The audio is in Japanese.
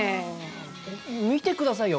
見てくださいよ。